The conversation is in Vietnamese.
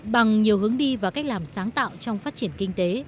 bằng nhiều hướng đi và cách làm sáng tạo trong phát triển kinh tế